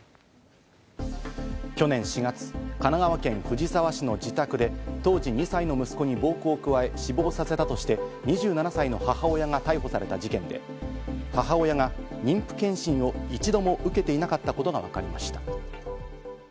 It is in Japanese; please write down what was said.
去年４月、神奈川県藤沢市の自宅で当時２歳の息子に暴行を加え、死亡させたとして２７歳の母親が逮捕された事件で、母親が妊婦健診を一度も受けていなかったことがわかりました。